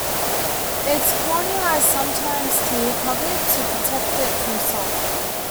Its cornea is sometimes tear-covered, to protect it from salt.